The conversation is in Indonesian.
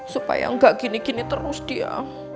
supaya nggak gini gini terus dia